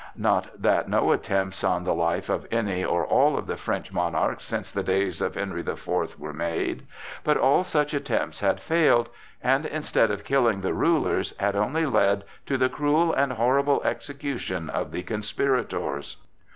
Not that no attempts on the life of any or all of the French monarchs since the days of Henry the Fourth were made; but all such attempts had failed, and instead of killing the rulers, had only led to the cruel and horrible execution of the conspirators.